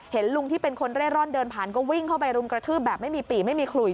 เห็นลุงที่เป็นคนเร่ร่อนเดินผ่านก็วิ่งเข้าไปรุมกระทืบแบบไม่มีปีไม่มีขลุย